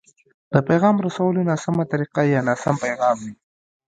د پيغام رسولو ناسمه طريقه يا ناسم پيغام وي.